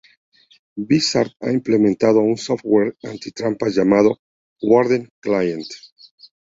Blizzard ha implementado un software anti-trampas llamado "'Warden Client"'.